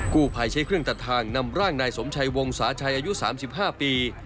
กู้ภัยใช้เครื่องตัดทางนำร่างนายสมชัยวงศาชัยอายุ๓๕ปี